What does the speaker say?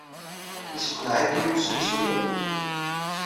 Yesseqneɛ-ikem usensu-a?